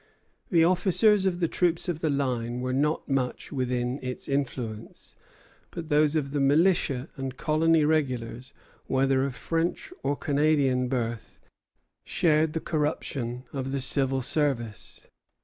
The officers of the troops of the line were not much within its influence; but those of the militia and colony regulars, whether of French or Canadian birth, shared the corruption of the civil service.